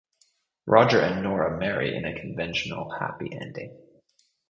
Roger and Nora marry in a conventional happy ending.